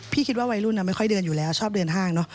คิดว่าวัยรุ่นไม่ค่อยเดินอยู่แล้วชอบเดินห้างเนอะ